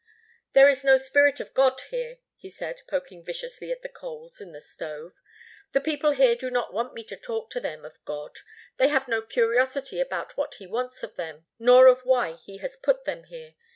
"There is no spirit of God here," he said, poking viciously at the coals in the stove. "The people here do not want me to talk to them of God. They have no curiosity about what He wants of them nor of why He has put them here.